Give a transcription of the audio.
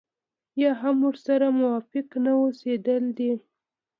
يا هم ورسره موافق نه اوسېدل دي.